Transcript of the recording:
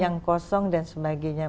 yang kosong dan sebagainya